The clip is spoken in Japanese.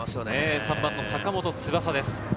３番の坂本翼です。